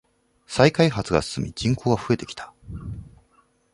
再開発が進み人口が増えてきた。